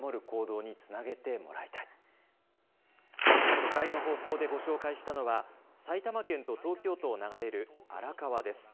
初回の放送でご紹介したのは埼玉県と東京都を流れる荒川です。